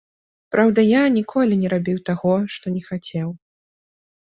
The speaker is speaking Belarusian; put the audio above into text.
Праўда, я ніколі не рабіў таго, што не хацеў.